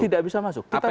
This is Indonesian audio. tidak bisa masuk